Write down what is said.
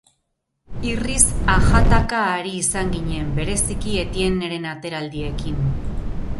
Irriz ajataka ari izan ginen, bereziki Etienneren ateraldiekin.